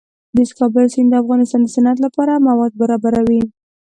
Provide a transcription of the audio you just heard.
د کابل سیند د افغانستان د صنعت لپاره مواد برابروي.